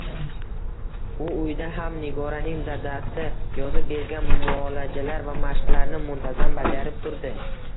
U uyda ham Nigoraning dadasi yozib bergan muolajalar va mashqlarni muntazam bajarib turdi